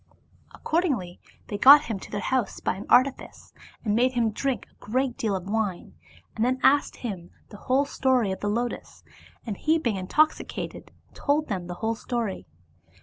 Accordingly they got him to their house by an artifice, and made him drink a great deal of wine, and then asked him the history of the lotus, and he being intoxicated told them the whole story.